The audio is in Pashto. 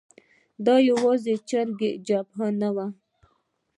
دا یوازې چریکي جبهه نه وه.